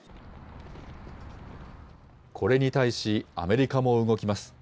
これに対し、アメリカも動きます。